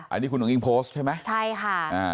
อันนี้คุณนุ้งอิงโพสต์ใช่ไหม